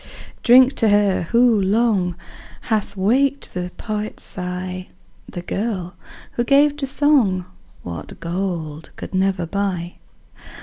Drink to her, who long, Hath waked the poet's sigh. The girl, who gave to song What gold could never buy.